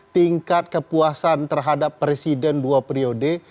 tingkat kepuasan terhadap presiden dua periode